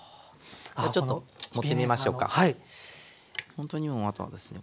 ほんとにもうあとはですね